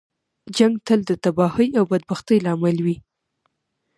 جنګ تل د تباهۍ او بدبختۍ لامل وي.